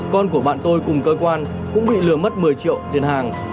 con của bạn tôi cùng cơ quan cũng bị lừa mất một mươi triệu tiền hàng